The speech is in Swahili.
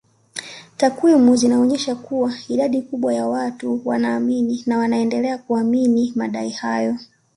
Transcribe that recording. Takwimu zinaonyesha kuwa idadi kubwa ya watu wanaamini na wanaendelea kuamini madai hayo